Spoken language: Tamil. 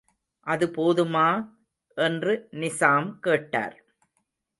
அது போதுமா! என்று நிசாம் கேட்டார்.